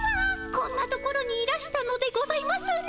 こんな所にいらしたのでございますね。